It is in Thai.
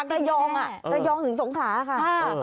ระยองระยองถึงสงขลาค่ะ